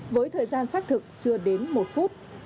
với thời gian xác thực chưa đến một phút